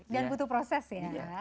dan butuh proses ya